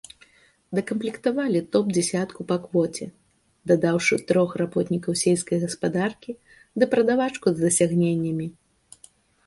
Дакамплектавалі топ-дзясятку па квоце, дадаўшы трох работнікаў сельскай гаспадаркі ды прадавачку з дасягненнямі.